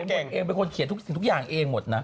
บทเองเป็นคนเขียนทุกสิ่งทุกอย่างเองหมดนะ